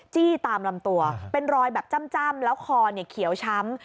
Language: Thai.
จี้ตามลำตัวเป็นรอยแบบจ้ำแล้วคอเขียวช้ำ